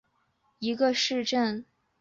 施塔瑙是德国图林根州的一个市镇。